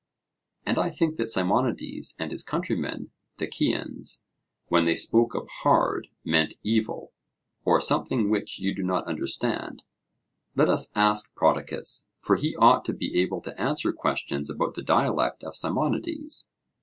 And I think that Simonides and his countrymen the Ceans, when they spoke of 'hard' meant 'evil,' or something which you do not understand. Let us ask Prodicus, for he ought to be able to answer questions about the dialect of Simonides.